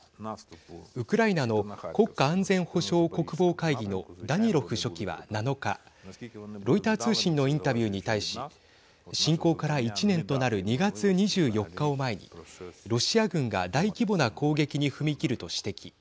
ウクライナの国家安全保障・国防会議のダニロフ書記は７日ロイター通信のインタビューに対し侵攻から１年となる２月２４日を前にロシア軍が大規模な攻撃に踏み切ると指摘。